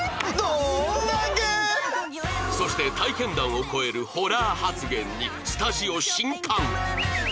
そして体験談を超えるホラー発言にスタジオ震撼！